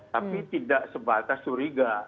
tapi tidak sebatas curiga